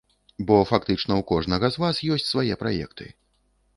Бо, фактычна, у кожнага з вас ёсць свае праекты.